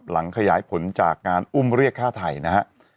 หลังขยายผลจากการอุ้มเรียกค่าไถ่นะฮะ